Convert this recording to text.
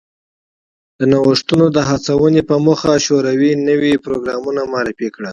د نوښتونو د هڅونې په موخه شوروي نوی پروګرام معرفي کړ